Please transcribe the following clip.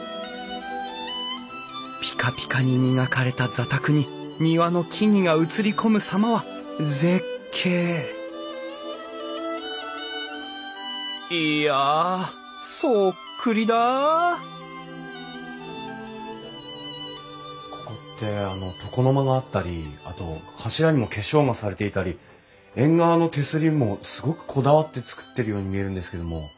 ピカピカに磨かれた座卓に庭の木々が映り込むさまは絶景いやそっくりだあここって床の間があったりあと柱にも化粧がされていたり縁側の手すりもすごくこだわって造ってるように見えるんですけども。